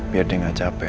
biar deh gak capek